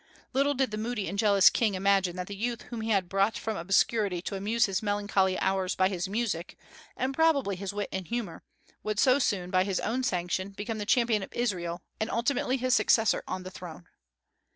Little did the moody and jealous King imagine that the youth whom he had brought from obscurity to amuse his melancholy hours by his music, and probably his wit and humor, would so soon, by his own sanction, become the champion of Israel, and ultimately his successor on the throne.